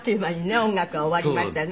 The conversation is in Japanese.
音楽が終わりましたよね。